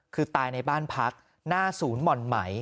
คือตายในบ้านพักหน้าศูนย์หม่อนไหม